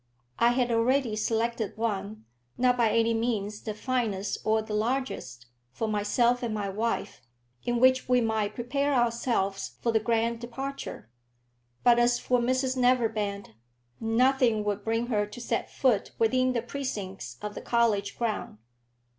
I had already selected one, not by any means the finest or the largest, for myself and my wife, in which we might prepare ourselves for the grand departure. But as for Mrs Neverbend, nothing would bring her to set foot within the precincts of the college ground.